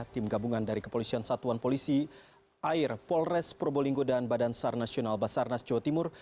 tim gabungan dari kepolisian satuan polisi air polres probolinggo dan badan sar nasional basarnas jawa timur